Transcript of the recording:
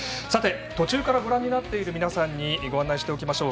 途中からご覧になっている皆さんにご案内しておきましょう。